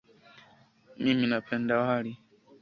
Mimi napenda wali.